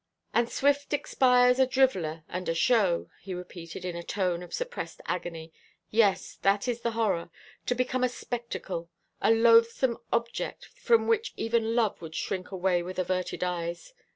"'And Swift expires a driveller and a show,'" he repeated, in a tone of suppressed agony. "Yes, that is the horror. To become a spectacle a loathsome object from which even love would shrink away with averted eyes.